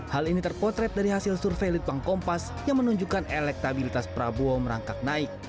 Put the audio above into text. hal ini terpotret dari hasil survei litbang kompas yang menunjukkan elektabilitas prabowo merangkak naik